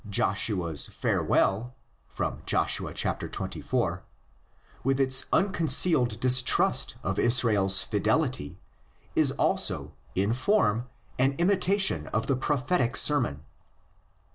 Joshua's farewell (Joshua xxiv.) with its unconcealed distrust of Israel's fidelity is also in form an imitation of the Prophetic sermon.